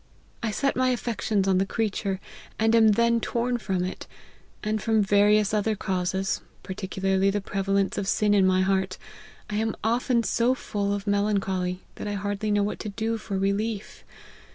I set my affections on the creature, and am then torn from it ; and from vari ous other causes, particularly the prevalence of sin in my heart, I am often so full of melancholy, that I hardly know what to do for relief.